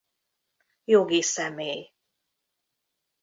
Jogi személy.